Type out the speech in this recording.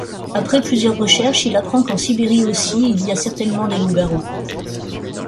Après plusieurs recherches il apprend qu'en Sibérie aussi il y a certainement des loup-garous.